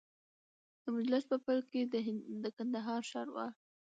د مجلس په پیل کي د کندهار ښاروال